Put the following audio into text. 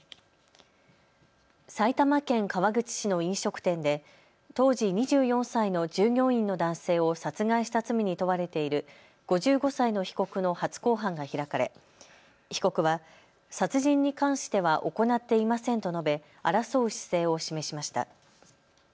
埼玉県川口市の飲食店で当時２４歳の従業員の男性を殺害した罪に問われている５５歳の被告の初公判が開かれ、被告は殺人に関しては行っていませんと述べ争う姿勢を示しました。